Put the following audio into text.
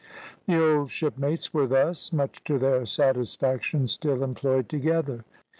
The old shipmates were thus, much to their satisfaction, still employed together.